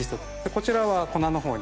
こちらは粉の方に。